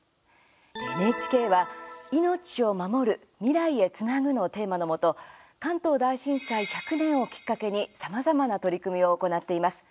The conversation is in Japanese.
ＮＨＫは「命をまもる未来へつなぐ」のテーマのもと関東大震災１００年をきっかけにさまざまな取り組みを行っています。